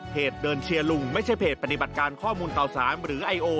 เดินเชียร์ลุงไม่ใช่เพจปฏิบัติการข้อมูลเต่าสารหรือไอโอ